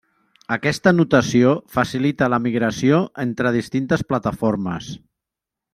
Aquesta notació facilita la migració entre distintes plataformes.